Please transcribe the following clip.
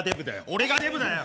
俺がデブだよ！